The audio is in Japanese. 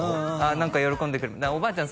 何か喜んでおばあちゃん